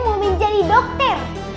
mau menjadi dokter